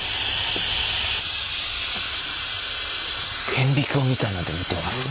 顕微鏡みたいなんで見てますね。